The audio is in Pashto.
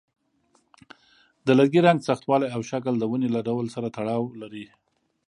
د لرګي رنګ، سختوالی، او شکل د ونې له ډول سره تړاو لري.